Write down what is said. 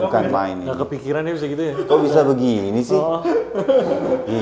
bukan mainnya kepikiran bisa begini sih